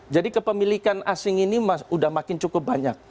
jadi kepemilikan asing ini udah makin cukup banyak